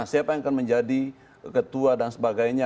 siapa yang akan menjadi ketua dan sebagainya